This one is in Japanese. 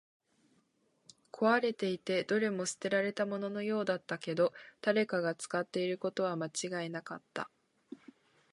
壊れていて、どれも捨てられたもののようだったけど、誰かが使っていることは間違いなかった